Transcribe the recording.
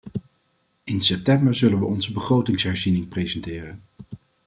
In september zullen we onze begrotingsherziening presenteren.